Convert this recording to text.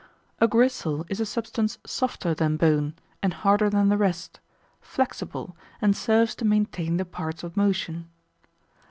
A gristle is a substance softer than bone, and harder than the rest, flexible, and serves to maintain the parts of motion.